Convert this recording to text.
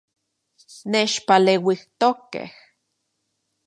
Nechpaleuijtokej